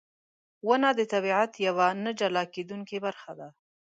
• ونه د طبیعت یوه نه جلا کېدونکې برخه ده.